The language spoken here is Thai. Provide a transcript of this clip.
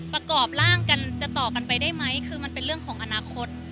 ประกอบร่างกันจะต่อกันไปได้ไหมคือมันเป็นเรื่องของอนาคต